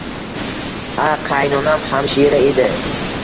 Ha, qaynonam hamshira edi